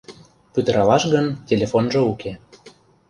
Пӱтыралаш гын, телефонжо уке.